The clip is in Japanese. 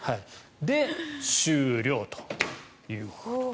で、終了という。